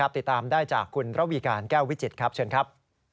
ติดตามได้จากคุณระวีการแก้ววิจิตรครับเชิญครับ